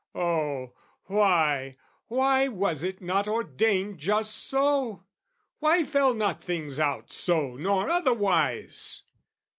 Oh, why, why was it not ordained just so? Why fell not things out so nor otherwise?